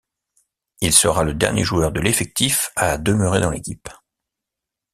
Il sera le dernier joueur de l'effectif à demeurer dans l'équipe.